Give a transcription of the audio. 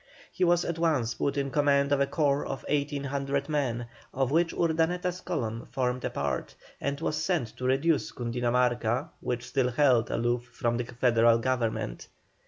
He was at once put in command of a corps of 1,800 men, of which Urdaneta's column formed a part, and was sent to reduce Cundinamarca, which still held aloof from the Federal Government.